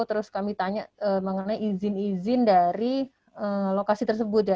terus kami tanya mengenai izin izin dari lokasi tersebut ya